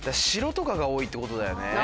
城とかが多いってことだよね。